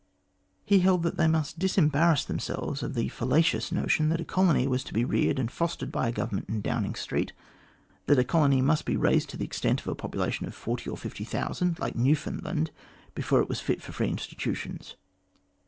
He held that they must disembarrass themselves of the fallacious notion that a colony was to be reared and fostered by a Government in Downing Street, that a colony must be raised to the extent of a population of 40,000 or 50,000, like Newfoundland, before it was fit for free institutions.